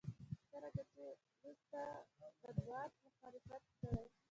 څرنګه چې وروسته مطبوعاتو مخالفت کړی.